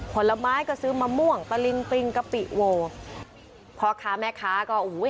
ผลไม้ก็ซื้อมะม่วงตะลิงปริงกะปิโวพ่อค้าแม่ค้าก็อุ้ย